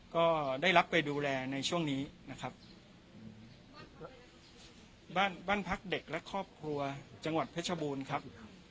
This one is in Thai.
ก็ได้รับไปดูแลในช่วงนี้นะครับบ้านบ้านพักเด็กและครอบครัวจังหวัดเพชรบูรณ์ครับ